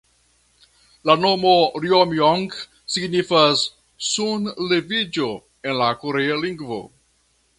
La nomo "Rjomjong" signifas "sunleviĝo" en la Korea lingvo.